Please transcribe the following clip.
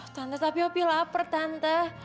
tanda tapi opi lapar tanda